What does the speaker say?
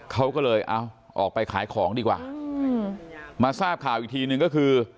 เขาก็เลยเอาออกไปขายของดีกว่ามาทราบข่าวอีกทีนึงก็คือ